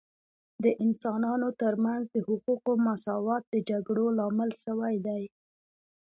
د انسانانو ترمنځ د حقوقو مساوات د جګړو لامل سوی دی